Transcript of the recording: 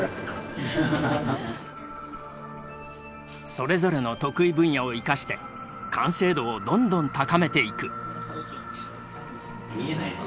それぞれの得意分野を生かして完成度をどんどん高めていく。